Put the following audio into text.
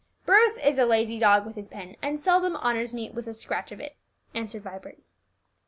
"Bruce is a lazy dog with his pen, and seldom honours me with a scratch of it," answered Vibert.